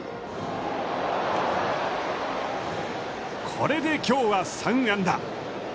これで、きょうは３安打。